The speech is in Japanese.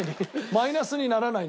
マイナスにならないんだ。